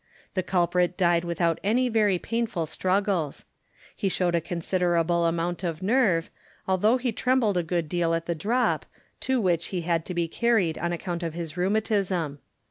The culprit died without any very painful struggles. He showed a considerable amount ef nerve, although he trembled a good deal at the drop, to which he had to be carried on account of his rheumatism.